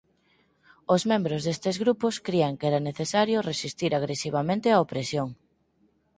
Os membros destes grupos crían que era necesario resistir agresivamente a opresión.